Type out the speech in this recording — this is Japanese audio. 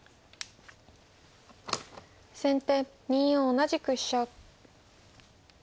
先手２四同じく飛車。